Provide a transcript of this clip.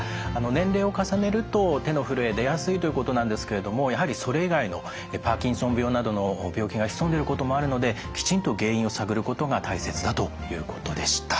年齢を重ねると手のふるえ出やすいということなんですけれどもやはりそれ以外のパーキンソン病などの病気が潜んでることもあるのできちんと原因を探ることが大切だということでした。